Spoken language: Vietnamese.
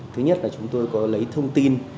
thứ nhất là chúng tôi có lấy thông tin